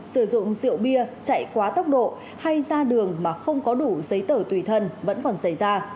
sử dụng rượu bia chạy quá tốc độ hay ra đường mà không có đủ giấy tờ tùy thân vẫn còn xảy ra